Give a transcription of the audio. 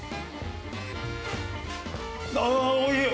ああおいしい！